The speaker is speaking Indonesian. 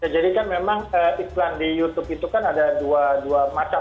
jadi kan memang iklan di youtube itu kan ada dua macam